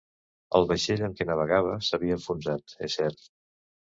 El vaixell amb què navegava s'havia enfonsat, és cert.